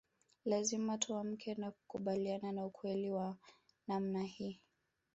Lazima tuamke na kukubaliana na ukweli wa namna hii